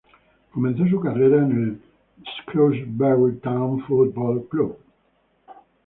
Comenzó su carrera en el Shrewsbury Town Football Club.